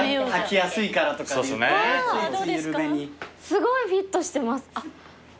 すごいフィットしてます。